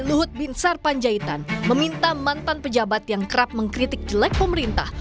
luhut bin sarpanjaitan meminta mantan pejabat yang kerap mengkritik jelek pemerintah